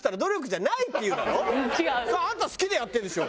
「それはあなた好きでやってるんでしょ？」